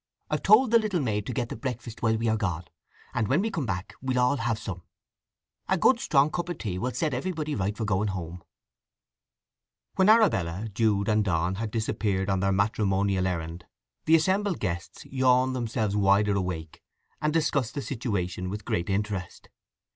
"I've told the little maid to get the breakfast while we are gone; and when we come back we'll all have some. A good strong cup of tea will set everybody right for going home." When Arabella, Jude, and Donn had disappeared on their matrimonial errand the assembled guests yawned themselves wider awake, and discussed the situation with great interest.